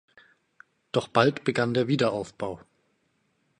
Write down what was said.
Doch bald begann der Wiederaufbau.